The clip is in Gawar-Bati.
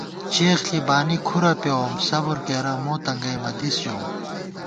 چېخ ݪی بانی کھُرہ پېووم صبر کېرہ مو تنگئ مہ دِس ژَوُم